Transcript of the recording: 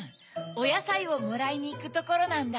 おやさいをもらいにいくところなんだ。